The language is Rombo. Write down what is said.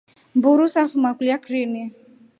Mburu safuma kulya krini.